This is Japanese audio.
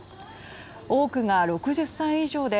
多くが６０歳以上で